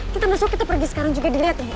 kita masuk kita pergi sekarang juga diliatin